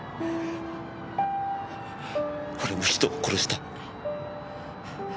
俺も人を殺した。